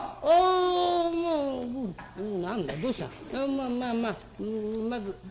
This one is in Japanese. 「まあまあまあまずそこは。